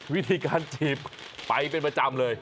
วิธีการจีบไปเป็นประจำเลย